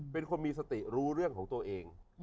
เป็นคนมีสติรู้เรื่องของตัวเอง